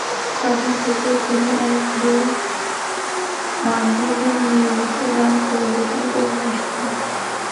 তখন থেকেই তিনি এই দুই মাধ্যমে নিয়মিত গান পরিবেশন করে আসছেন।